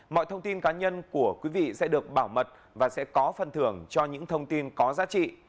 mọi thông tin cá nhân của quý vị sẽ được bảo mật và sẽ có phần thưởng cho những thông tin có giá trị